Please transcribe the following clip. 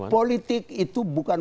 politik itu bukan